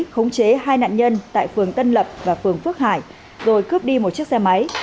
khống chế hai nạn nhân tại phường tân lập và phường phước hải rồi cướp đi một chiếc xe máy